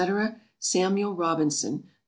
SAMUEL ROBINSON. No.